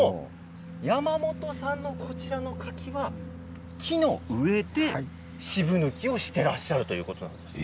山本さんのこちらの柿は木の上で渋抜きをしていらっしゃるということなんです。